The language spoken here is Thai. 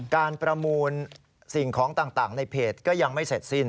การประมูลสิ่งของต่างในเพจก็ยังไม่เสร็จสิ้น